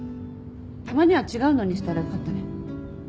たまには違うのにしたらよかったね。